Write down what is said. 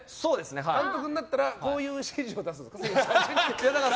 監督になったら選手にこういう指示出すんですか？